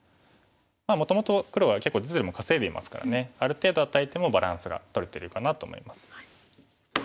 まあもともと黒は結構実利も稼いでいますからねある程度与えてもバランスがとれてるかなと思います。